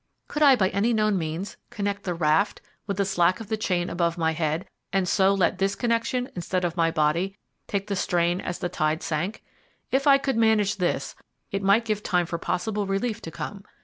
Could I by any known means connect the raft with the slack of the chain above my head, and so let this connection, instead of my body, take the strain as the tide sank? If I could manage this, it might give time for possible relief to come.